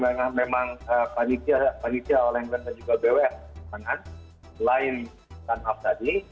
pada saat ini memang panitia panitia awal england dan juga bws selain tanah air tadi